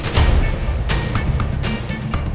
jangan jangan elsa yang bawa mobilnya papa